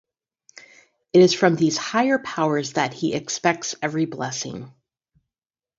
It is from these higher powers that he expects every blessing.